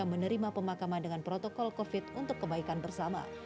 ia menerima pemakaman dengan protokol covid sembilan belas untuk kebaikan bersama